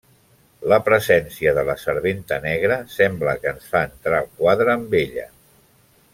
La presència de la serventa negra sembla que ens fa entrar al quadre amb ella.